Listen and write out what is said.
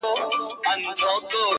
یوه توره تاریکه ورښکارېدله!!